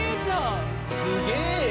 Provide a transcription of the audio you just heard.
すげえや！